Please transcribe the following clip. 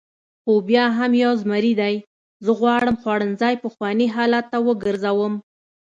خو بیا هم یو زمري دی، زه غواړم خوړنځای پخواني حالت ته وګرځوم.